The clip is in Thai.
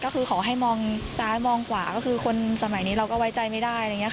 ก็คือขอให้มองซ้ายมองขวาก็คือคนสมัยนี้เราก็ไว้ใจไม่ได้